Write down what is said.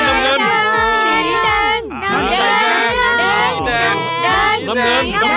สีแดง